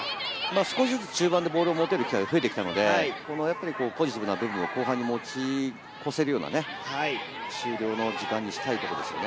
少しずつ中盤でボールを持てる時間が増えてきたので、このポジティブな部分を後半に持ち込せるような終了の時間にしたいところですね。